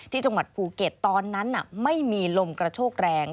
ที่จังหวัดภูเก็ตตอนนั้นไม่มีลมกระโชกแรง